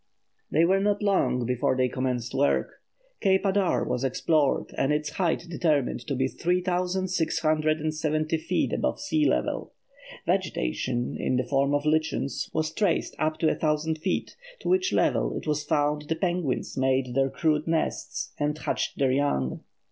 Wilson._] They were not long before they commenced work. Cape Adare was explored and its height determined to be 3670 feet above sea level. Vegetation, in the form of lichens, was traced up to a thousand feet, to which level it was found the penguins made their crude nests and hatched their young.